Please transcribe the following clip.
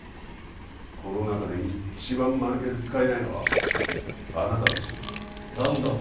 この中で一番間抜けで使えないのはあなたですよ何だと？